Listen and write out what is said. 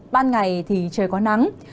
ban ngày thì trời có nắng